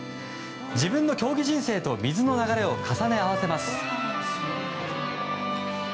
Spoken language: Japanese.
自分の競技人生と水の流れを重ね合わせます。